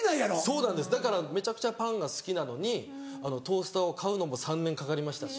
そうなんですだからめちゃくちゃパンが好きなのにトースターを買うのも３年かかりましたし。